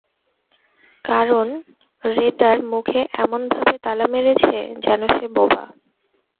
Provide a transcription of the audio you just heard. কারণ রে তার মুখে এমন ভাবে তালা মেরেছে যেন সে বোবা।